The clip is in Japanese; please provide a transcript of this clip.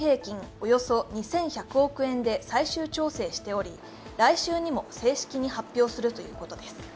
およそ２１００億円で最終調整しており、来週にも正式に発表するということです。